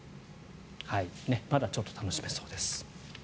まだちょっと楽しめそうです。